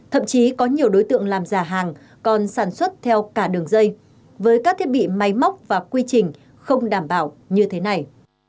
thậm chí có nhiều đối tượng làm giả hàng còn sản xuất theo cả đường dây với các thiết bị máy móc và quy trình không đảm bảo như thế này